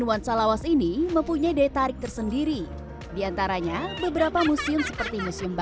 wansalawas ini mempunyai detarik tersendiri diantaranya beberapa museum seperti museum